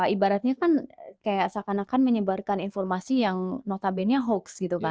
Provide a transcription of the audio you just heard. ibaratnya kan kayak seakan akan menyebarkan informasi yang notabene hoax gitu kan